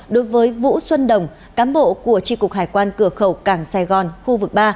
đối với vũ xuân đồng cám bộ của tri cục hải quan cửa khẩu cảng sài gòn khu vực ba